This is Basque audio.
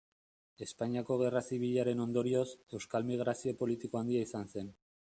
Espainiako Gerra Zibilaren ondorioz, euskal migrazio politiko handia izan zen.